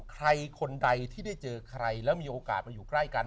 ใครคนใดที่ได้เจอใครแล้วมีโอกาสมาอยู่ใกล้กัน